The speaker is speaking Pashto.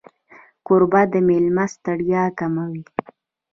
کوربه د مېلمه ستړیا کموي.